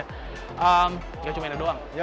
nggak cuma ini doang